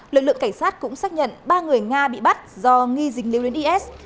lực lượng cảnh sát cũng xác nhận ba người nga bị bắt do nghi dình liêu đến is